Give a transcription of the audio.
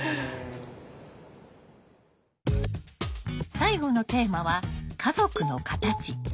最後のテーマは「家族のカタチ」。